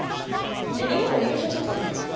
日本は優勝した事あるんですか？